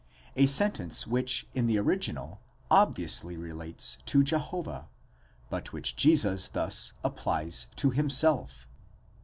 a sentence which in the original obviously relates to Jehovah, but which Jesus thus applies to himself.